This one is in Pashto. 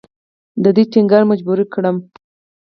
د دوی ټینګار مجبوره کړم.